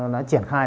đã triển khai